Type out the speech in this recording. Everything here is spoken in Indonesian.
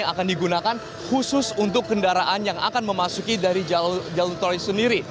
akan digunakan khusus untuk kendaraan yang akan memasuki dari jalur tol sendiri